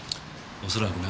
恐らくな。